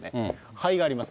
肺があります。